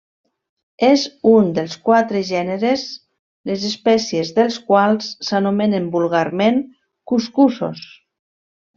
És un dels quatre gèneres les espècies dels quals s'anomenen vulgarment cuscussos.